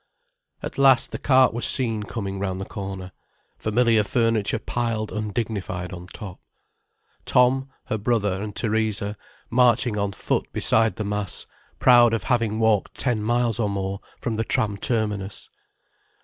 At last, the cart was seen coming round the corner, familiar furniture piled undignified on top, Tom, her brother, and Theresa, marching on foot beside the mass, proud of having walked ten miles or more, from the tram terminus.